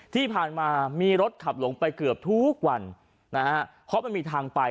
ที่ผ่านมามีรถขับหลงไปเกือบทุกวันนะฮะเพราะมันมีทางไป